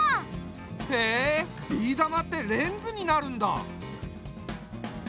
へえビー玉ってレンズになるんだ。